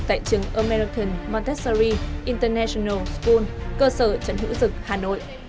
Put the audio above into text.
tại trường american montessori international school cơ sở trần hữu dực hà nội